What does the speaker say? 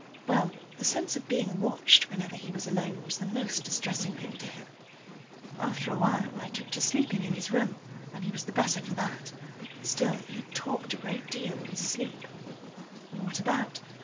Well, the sense of being watched whenever he was alone was the most distressing thing to him. After a time I took to sleeping in his room, and he was the better for that: still, he talked a great deal in his sleep. What about?